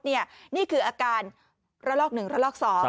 นี่คืออาการระลอก๑ระลอก๒